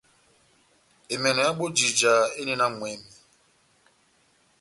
Emènò ya bojija endi na mwɛmi.